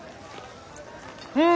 うん！